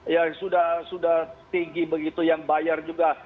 ya sudah tinggi begitu yang bayar juga